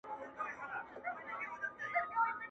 o له يوه ځان خلاص کړم د بل غم راته پام سي ربه.